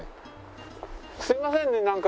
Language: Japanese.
すいませんねなんか。